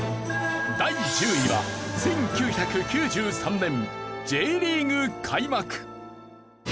第１０位は１９９３年Ｊリーグ開幕。